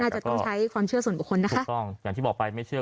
จะต้องใช้ความเชื่อส่วนบุคคลนะคะถูกต้องอย่างที่บอกไปไม่เชื่อ